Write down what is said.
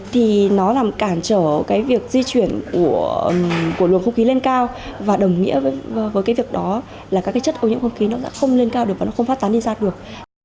thì nó làm cản trở cái việc di chuyển của luồng không khí lên cao và đồng nghĩa với cái việc đó là các cái chất ô nhiễm không khí nó sẽ không lên cao được và nó không phát tán đi ra được